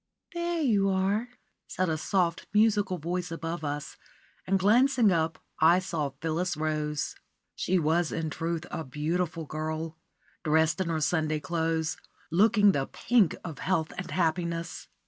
*_ "There you are!" said a soft, musical voice above us, and glancing up I saw Phyllis Rose. She was in truth a beautiful girl, dressed in her Sunday clothes, looking the pink of health and happiness.